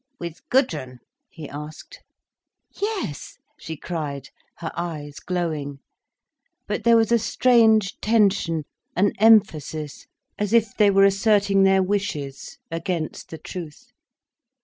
"With Gudrun?" he asked. "Yes!" she cried, her eyes glowing. But there was a strange tension, an emphasis, as if they were asserting their wishes, against the truth.